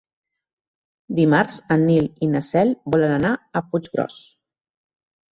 Dimarts en Nil i na Cel volen anar a Puiggròs.